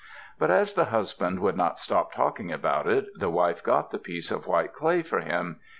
But as the husband would not stop talking about it, the wife got the piece of white clay for him.